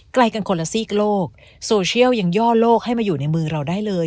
ไกลกันคนละซีกโลกโซเชียลยังย่อโลกให้มาอยู่ในมือเราได้เลย